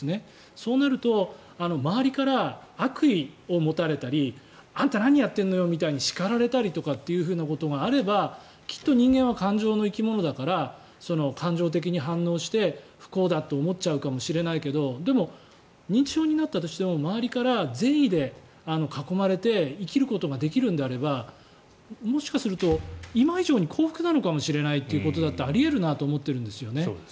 そうすると周りから悪意を持たれたりあんた、何やってんのよみたいに叱られたりということがあればきっと人間は感情の生き物だから感情的に反応して不幸だって思っちゃうかもしれないけどでも、認知症になったとしても周りから善意に囲まれて生きることができるのであればもしかすると今以上に幸福なのかもしれないということだってあり得るなと思ってるんですよ。